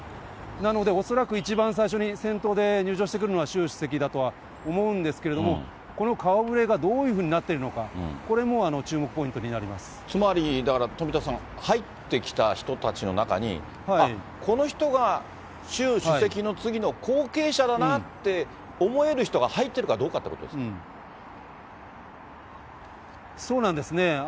なので、恐らく一番最初に、先頭で入場してくるのが習主席だとは思うんですけれども、この顔ぶれがどういうふうになっているのか、これも注目ポイントつまり、だから富田さん、入ってきた人たちの中に、あっ、この人が習主席の次の後継者だなって思える人が入ってるかどうかそうなんですね。